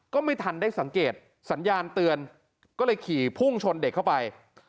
ก็ไม่ทันได้สังเกตสัญญาณเตือนก็เลยขี่พุ่งชนเด็กเข้าไป